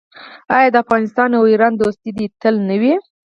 آیا د افغانستان او ایران دوستي دې تل نه وي؟